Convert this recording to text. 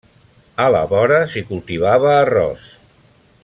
A la vora s'hi cultivava arròs.